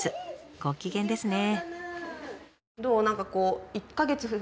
ご機嫌ですね。